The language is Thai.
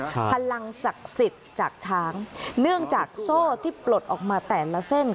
พลังศักดิ์สิทธิ์จากช้างเนื่องจากโซ่ที่ปลดออกมาแต่ละเส้น